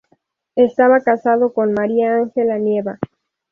Estaba casado con María Ángela Nieva.